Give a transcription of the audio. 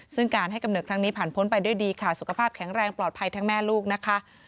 ซึ่งการให้กำเนิดครั้งนี้ผ่านพ้นไปด้วยดีค่ะสุขภาพแข็งแรงปลอดภัยทั้งแม่ลูกนะคะ